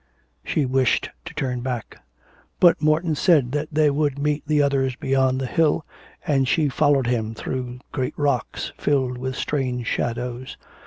She wished to turn back. But Morton said that they would meet the others beyond the hill, and she followed him through great rocks, filled with strange shadows.